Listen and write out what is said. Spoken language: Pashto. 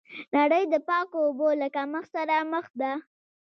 نړۍ د پاکو اوبو له کمښت سره مخ ده.